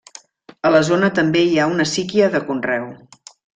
A la zona també hi ha una síquia de conreu.